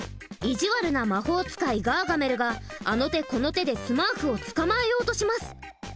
意地悪な魔法使いガーガメルがあの手この手でスマーフをつかまえようとします。